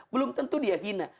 belum tentu dia hina